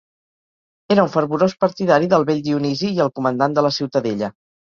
Era un fervorós partidari del vell Dionisi i el comandant de la ciutadella.